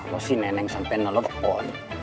kalau si nenek sampai nolak on